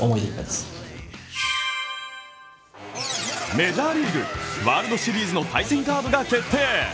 メジャーリーグ、ワールドシリーズの対戦カードが決定。